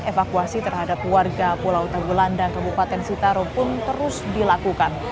evakuasi terhadap warga pulau tagulandang kabupaten sitaro pun terus dilakukan